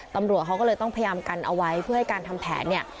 ตำรวจเขาก็เลยต้องพยายามกันเอาไว้เพื่อให้การทำแผนเนี่ย